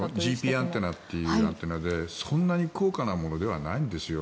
ＧＰアンテナというあアンテナでそんなに高価なものではないんですよ。